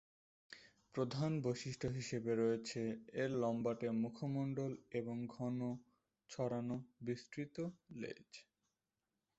প্রধান বৈশিষ্ট্য হিসেবে রয়েছে এর লম্বাটে মুখমণ্ডল এবং ঘন, ছড়ানো বিস্তৃত লেজ।